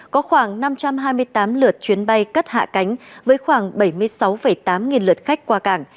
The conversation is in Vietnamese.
có khoảng năm trăm hai mươi tám lượt chuyến bay cất hạ cánh với khoảng bảy mươi sáu tám nghìn lượt khách qua cảng